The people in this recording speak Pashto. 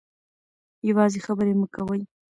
یوازې خبرې مه کوئ.